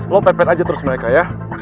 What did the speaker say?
lo pepen aja terus mereka ya